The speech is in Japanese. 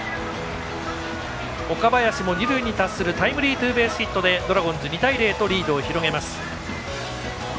岡林も二塁に達するタイムリーツーベースヒットでドラゴンズ、２対０とリードを広げます。